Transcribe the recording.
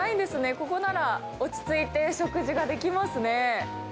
ここなら落ち着いて食事ができますね。